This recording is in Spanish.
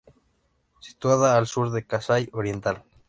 Situada al sur de Kasai Oriental.